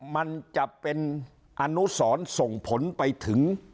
มันจะเป็นอนุสรส่งผลไปถึง